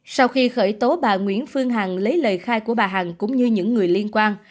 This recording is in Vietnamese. sau khi khởi tố bà nguyễn phương hằng lấy lời khai của bà hằng cũng như những người liên quan